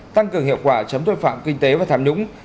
tăng cường hiệu quả chống tội phạm kinh tế và tham nhũng